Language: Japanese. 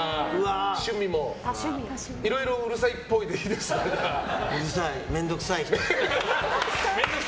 いろいろうるさいっぽいでうるさい、面倒くさい人。